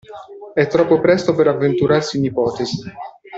È troppo presto per avventurarsi in ipotesi.